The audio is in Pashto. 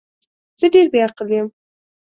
زه ډیر بی عقل یم